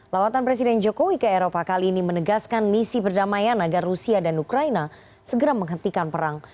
lawatan presiden jokowi ke eropa kali ini menegaskan misi perdamaian agar rusia dan ukraina segera menghentikan perang